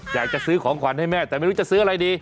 อยากจะซื้อของขวัญให้แม่แต่ไม่รู้จะซื้ออะไรดี